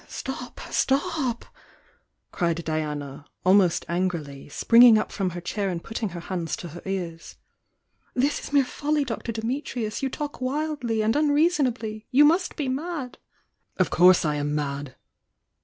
" "Stop,— stop!" cried Diana, almost angrily, springing up from her chair and putting her hands to her ears. "This is mere folly, Dr. Dimitrius! You taii wildly,— and unreasonably! You must bemad!" 'Of course I am mad!"